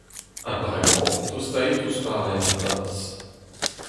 Ha bremañ, tostait ouzh barlenn ar puñs…